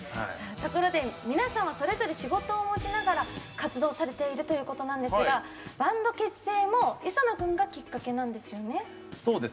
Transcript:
ところで、皆さんはそれぞれ仕事を持ちながら活動されているということなんですがバンド結成も磯野くんがきっかけなんですよね。